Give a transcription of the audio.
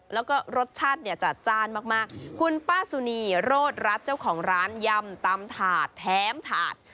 แล้วก็รสชาติเนี่ยจัดจ้านมากมากคุณป้าสุนีโรดรัฐเจ้าของร้านยำตำถาดแถมถาด